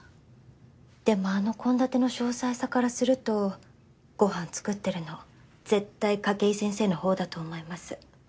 でもあの献立の詳細さからするとごはん作ってるの絶対筧先生のほうだと思います。